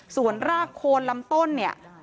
ส่วนรากโคนลำต้นเนี่ย